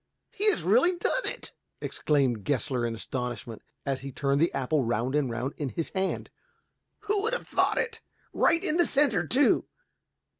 "He has really done it!" exclaimed Gessler in astonishment, as he turned the apple round and round in his hand. "Who would have thought it? Right in the center, too."